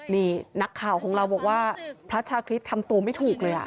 นี่นักข่าวของเราบอกว่าพระชาคริสต์ทำตัวไม่ถูกเลย